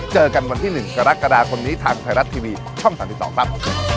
เจอกันวันที่๑กรกฎาคมนี้ทางไทยรัฐทีวีช่อง๓๒ครับ